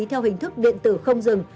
theo hình thức điện tử không dừng